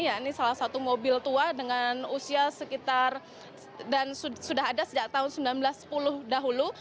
ya ini salah satu mobil tua dengan usia sekitar dan sudah ada sejak tahun seribu sembilan ratus sepuluh dahulu